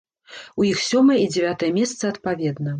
У іх сёмае і дзявятае месца адпаведна.